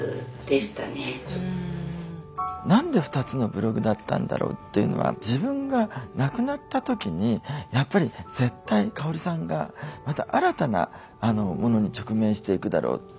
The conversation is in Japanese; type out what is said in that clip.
何で２つのブログだったんだろうっていうのは自分が亡くなった時にやっぱり絶対香さんがまた新たなものに直面していくだろうって。